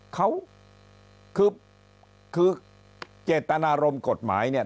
เขาคือคือเจตนารมณ์กฎหมายเนี่ย